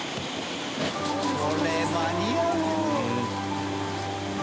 これ間に合う？